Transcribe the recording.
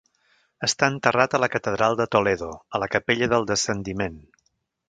Està enterrat a la catedral de Toledo, a la capella del Descendiment.